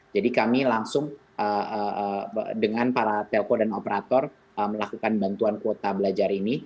jadi kami langsung dengan para telco dan operator melakukan bantuan kuota belajar ini